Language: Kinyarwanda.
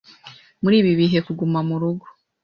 Muri ibi bihe kuguma mu rugo